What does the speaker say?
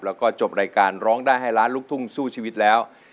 แล้วก็จบรายการร้องได้ให้ล้านลูกทุ่งสู้ชีวิตแล้ว